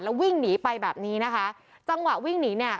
แล้ววิ่งหนีไปแบบนี้นะคะจังหวะวิ่งหนีเนี่ย